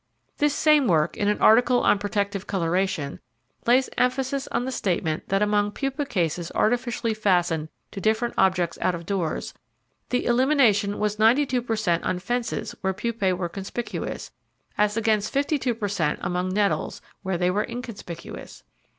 This same work, in an article on protective colouration, lays emphasis on the statement that among pupa cases artificially fastened to different objects out of doors, "the elimination was ninety two per cent on fences where pupae were conspicuous, as against fifty two per cent among nettles, where they were inconspicuous."